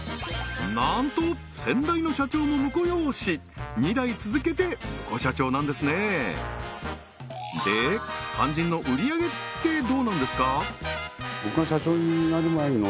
なんと先代の社長もムコ養子２代続けてムコ社長なんですねで肝心の売上げってどうなんですか？